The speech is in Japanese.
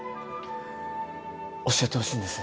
教えてほしいんです。